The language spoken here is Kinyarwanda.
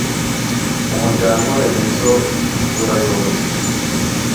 mu muryango-remezo urayoboye